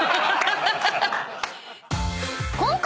［今回］